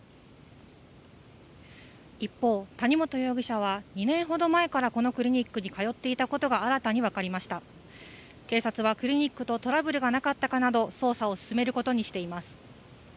一方谷本容疑者は２年ほど前からこのクリニックにかよっていたことが新たに分かりました警察はクリニックとトラブルがなかったかなど捜査を進めることにしています